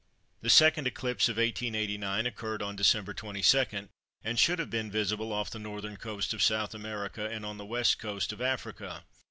The second eclipse of 1889 occurred on December 22, and should have been visible off the northern coast of South America and on the West Coast of Africa.